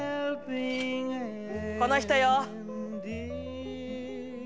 この人よ。